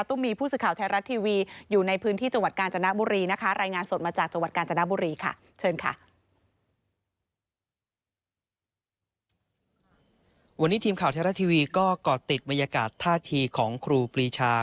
ทีวีก็กอดติดมายากาศท่าทีของครูปรีชา